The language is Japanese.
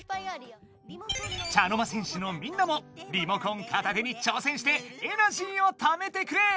茶の間戦士のみんなもリモコン片手に挑戦してエナジーをためてくれ！